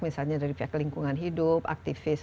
misalnya dari pihak lingkungan hidup aktivis